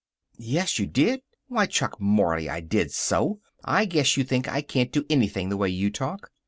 "Yes, you did!" "Why, Chuck Mory, I did so! I guess you think I can't do anything, the way you talk."